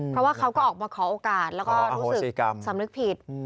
เพราะว่าเขาก็ออกมาขอโอกาสแล้วก็รู้สึกสำนึกผิด